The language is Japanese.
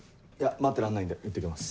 待ってらんないんでいってきます。